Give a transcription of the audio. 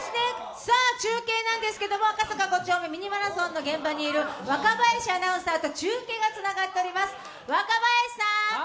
中継なんですけども赤坂５丁目ミニマラソンの現場にいる若林アナウンサーと中継がつながっております